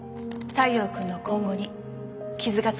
太陽君の今後に傷がつかないように。